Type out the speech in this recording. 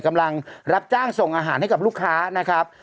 กำลังรับจ้างส่งอาหารให้กับลูกค้านะครับ